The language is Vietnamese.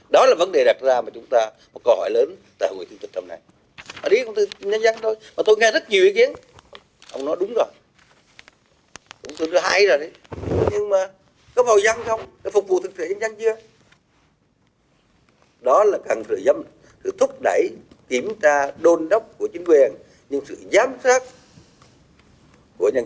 đó là vấn đề đặt ra mà chúng ta có một câu hỏi lớn tại hội nghị tư tịch trong này